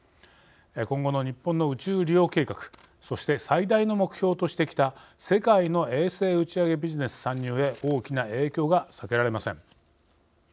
今後の日本の宇宙利用計画そして最大の目標としてきた世界の衛星打ち上げビジネス参入へ大きな影響が避けられません。